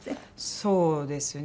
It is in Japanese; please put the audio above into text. そうですね。